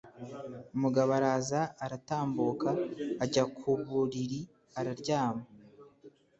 Umugabo araza, aratambuka, ajya ku buriri araryama